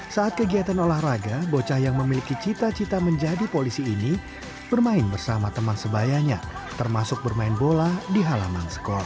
saat kegiatan olahraga bocah yang memiliki cita cita menjadi polisi ini bermain bersama teman sebayanya termasuk bermain bola di halaman sekolah